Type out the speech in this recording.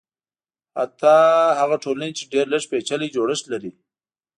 حتی هغه ټولنې چې ډېر لږ پېچلی جوړښت لري.